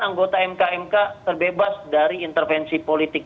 anggota mk mk terbebas dari intervensi politik